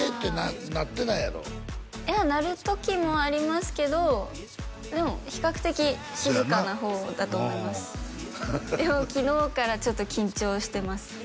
いやなる時もありますけどでも比較的静かなほうだと思いますでも昨日からちょっと緊張してます